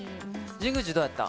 神宮寺、どうやった？